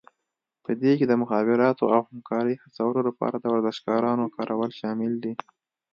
په دې کې د مخابراتو او همکارۍ هڅولو لپاره د ورزشکارانو کارول شامل دي